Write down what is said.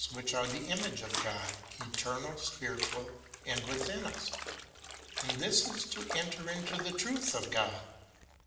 wliich are the image of God, eternal, spiritual, and within us ; and this is to enter into the truth of God.